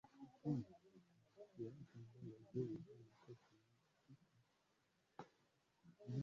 auti yake barrack obama rais wa marekani